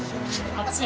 熱い。